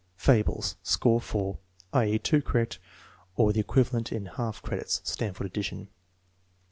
Fables. (Score 4; i.e., two correct or the equivalent in half credits.) (Stanford addition.)